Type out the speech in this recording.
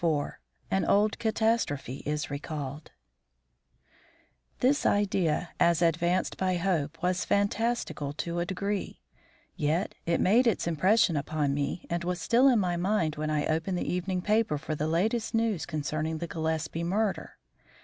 XXIV AN OLD CATASTROPHE IS RECALLED This idea as advanced by Hope was fantastical to a degree; yet it made its impression upon me and was still in my mind when I opened the evening paper for the latest news concerning the Gillespie murder.